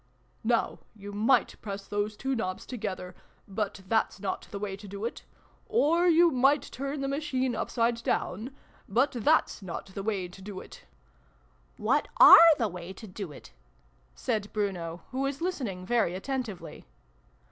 " Now you might press those two knobs to gether but that's not the way to do it. Or you might turn the Machine upside down but that's not the way to do it !" z 2 340 SYLVIE AND BRUNO CONCLUDED. " What are the way to do it ?" said Bruno, who was listening very attentively.